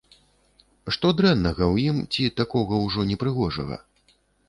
Што дрэннага ў ім ці такога ўжо непрыгожага?